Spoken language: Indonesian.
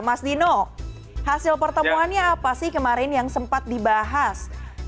mas dino hasil pertemuannya apa sih kemarin yang sempat dibahas